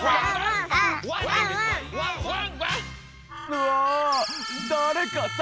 うわ！